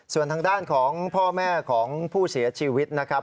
ส่วนทางด้านของพ่อแม่ของผู้เสียชีวิตนะครับ